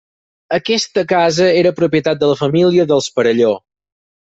Aquesta casa era propietat de la família dels Perelló.